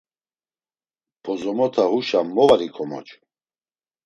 Bozomota huşa mo var ikomocu?